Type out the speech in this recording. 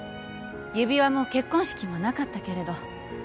指輪も結婚式もなかったけれど